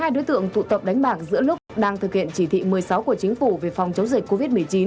hai đối tượng tụ tập đánh bạc giữa lúc đang thực hiện chỉ thị một mươi sáu của chính phủ về phòng chống dịch covid một mươi chín